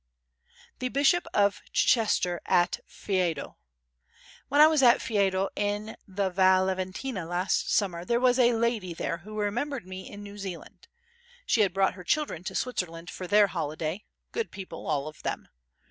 The Bishop of Chichester at Faido When I was at Faido in the Val Leventina last summer there was a lady there who remembered me in New Zealand; she had brought her children to Switzerland for their holiday; good people, all of them.